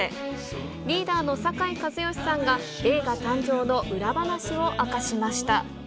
リーダーの酒井一圭さんが、映画誕生の裏話を明かしました。